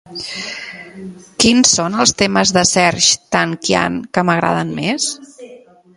Quins són els temes de Serj Tankian que m'agraden més?